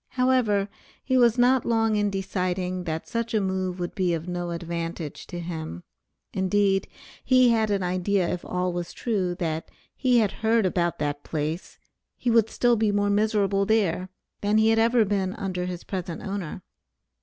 However, he was not long in deciding that such a move would be of no advantage to him; indeed, he had an idea if all was true that he had heard about that place, he would be still more miserable there, than he had ever been under his present owner.